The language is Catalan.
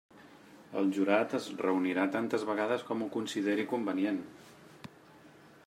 El jurat es reunirà tantes vegades com ho consideri convenient.